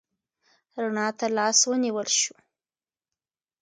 رڼا ته لاس ونیول شو.